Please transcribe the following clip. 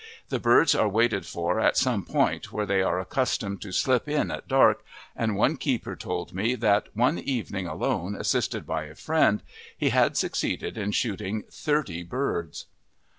The birds are waited for at some point where they are accustomed to slip in at dark, and one keeper told me that on one evening alone assisted by a friend he had succeeded in shooting thirty birds.